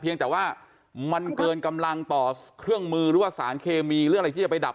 ยังแต่ว่ามันเกินกำลังต่อเครื่องมือหรือว่าสารเคมีหรืออะไรที่จะไปดับ